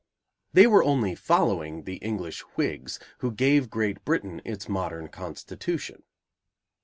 They were only following the English Whigs, who gave Great Britain its modern constitution.